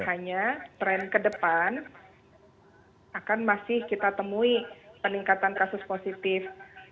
karena tren kedepan akan masih kita temui peningkatan kasus positif